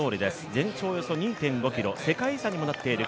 全長２．５ｋｍ、世界遺産にもなっている